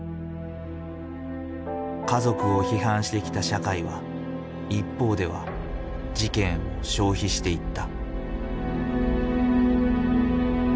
家族を批判してきた社会は一方では事件を消費していった。